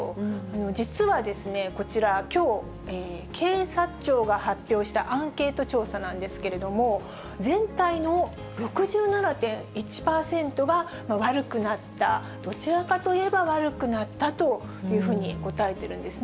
実はですね、こちら、きょう、警察庁が発表したアンケート調査なんですけれども、全体の６７．１％が悪くなった、どちらかといえば悪くなったというふうに答えているんですね。